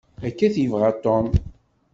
Akka i t-yebɣa Tom.